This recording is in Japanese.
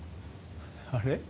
あれ？